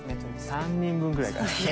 ３人分ぐらいかな。